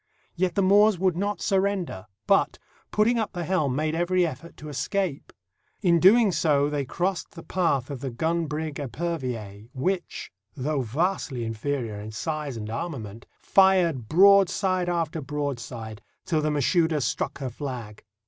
Yet the Moors would not surrender, but, putting up the helm, made every effort to escape. In doing so they crossed the path of the gun brig Epervier, which, though vastly inferior in size and armament, fired broadside after broadside till the Mashouda struck her flag.